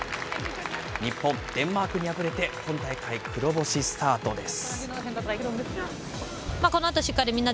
日本、デンマークに敗れて今大会黒星スタートです。